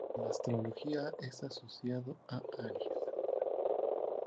En astrología es asociado a Aries.